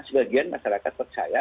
sebagian masyarakat percaya